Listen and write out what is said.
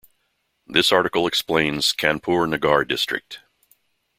This article explains Kanpur Nagar district.